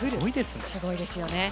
すごいですね。